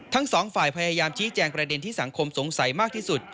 ทั้งสองฝ่ายพยายามชี้แจงประเด็นที่สังคมสงสัยมากที่สุด